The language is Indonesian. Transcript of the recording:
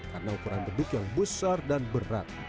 karena ukuran beduk yang besar dan berubah